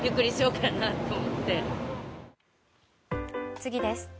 次です。